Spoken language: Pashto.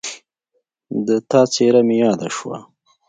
د تا څېره مې یاده شوه